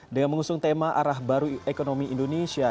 dengan mengusung tema arah baru ekonomi indonesia